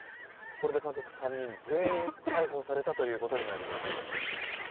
これで家族３人全員逮捕されたということになります。